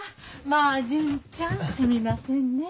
まあ純ちゃんすみませんね。